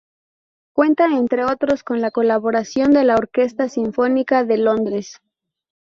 Cuenta entre otros con la colaboración de la Orquesta Sinfónica de Londres.